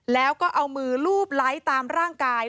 แล้วก็เอามือลูบไลค์ตามร่างกาย